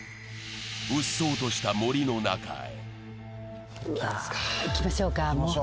うっそうとした森の中へ。